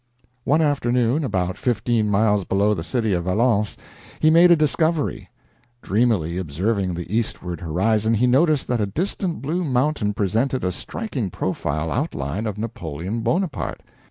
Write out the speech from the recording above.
One afternoon, about fifteen miles below the city of Valence, he made a discovery. Dreamily observing the eastward horizon, he noticed that a distant blue mountain presented a striking profile outline of Napoleon Bonaparte.